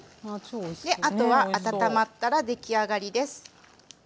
あとは温まったら出来上がりです。